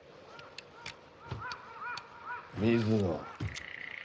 水野。